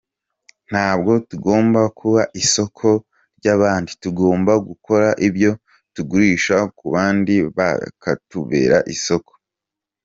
Ntabwo tugomba kuba isoko ry’abandi, tugomba gukora ibyo tugurisha ku bandi bakatubera isoko.